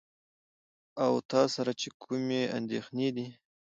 او تاسره چې کومې اندېښنې دي .